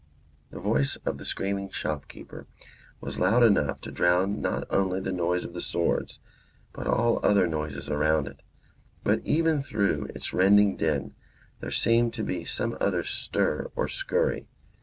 The voice of the screaming shopkeeper was loud enough to drown not only the noise of the swords but all other noises around it, but even through its rending din there seemed to be some other stir or scurry.